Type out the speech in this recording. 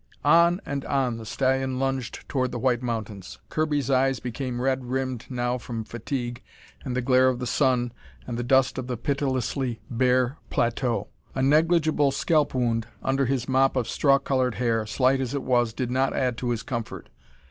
On and on the stallion lunged toward the white mountains. Kirby's eyes became red rimmed now from fatigue and the glare of the sun and the dust of the pitilessly bare plateau. A negligible scalp wound under his mop of straw colored hair, slight as it was, did not add to his comfort.